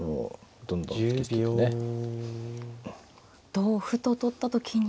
同歩と取った時に。